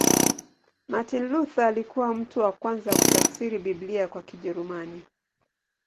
Martin Luther alikuwa mtu wa kwanza kutafsiri Biblia kwa Kijerumani.